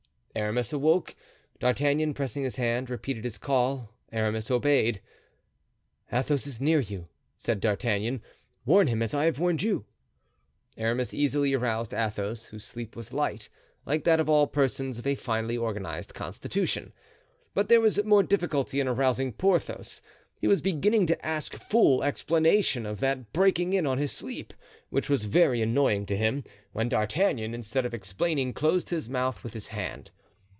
Aramis awoke. D'Artagnan, pressing his hand, repeated his call. Aramis obeyed. "Athos is near you," said D'Artagnan; "warn him as I have warned you." Aramis easily aroused Athos, whose sleep was light, like that of all persons of a finely organized constitution. But there was more difficulty in arousing Porthos. He was beginning to ask full explanation of that breaking in on his sleep, which was very annoying to him, when D'Artagnan, instead of explaining, closed his mouth with his hand.